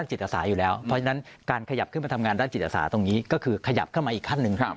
จิตอาสาอยู่แล้วเพราะฉะนั้นการขยับขึ้นมาทำงานด้านจิตอาสาตรงนี้ก็คือขยับเข้ามาอีกขั้นหนึ่ง